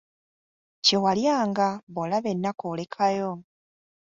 Kye walyanga, bw'olaba ennaku olekayo.